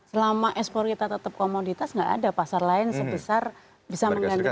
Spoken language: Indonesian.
selama ekspor kita tetap komoditas nggak ada pasar lain sebesar bisa mengganti